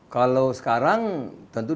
kalau sekarang tentu